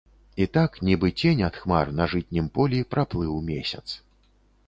І так, нібы цень ад хмар на жытнім полі, праплыў месяц.